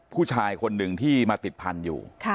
ผู้ชายคนหนึ่งที่มาติดพันธุ์อยู่